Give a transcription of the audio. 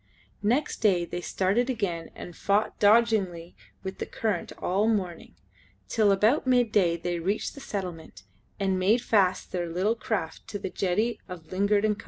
Next day they started again and fought doggedly with the current all the morning, till about midday they reached the settlement and made fast their little craft to the jetty of Lingard and Co.